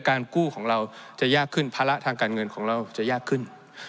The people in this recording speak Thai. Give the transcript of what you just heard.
กู้ของเราจะยากขึ้นภาระทางการเงินของเราจะยากขึ้น